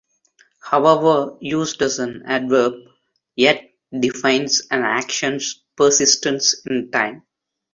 However, used as an adverb, "yet" defines an action's persistence in time.